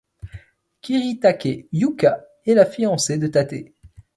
Kiritake Yuka, est la fiancée de Tate.